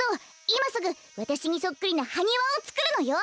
いますぐわたしにそっくりなハニワをつくるのよ。